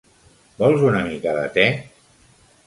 Vols una mica de te?